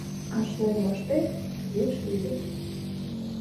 Ашнен моштет — еш лиеш.